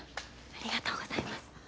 ありがとうございます。